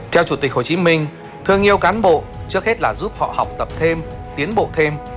theo chủ tịch hồ chí minh thương yêu cán bộ trước hết là giúp họ học tập thêm tiến bộ thêm